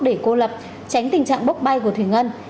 để cô lập tránh tình trạng bốc bay của thủy ngân